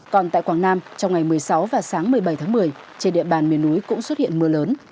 còn tại quảng nam trong ngày một mươi sáu và sáng một mươi bảy tháng một mươi trên địa bàn miền núi cũng xuất hiện mưa lớn